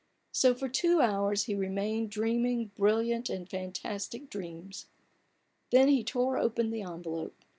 So for two hours he remained dreaming brilliant and fantastic dreams, Then he tore open the envelope.